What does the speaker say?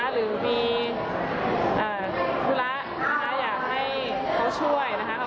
หรือมีธุระนะคะอยากให้เขาช่วยนะคะ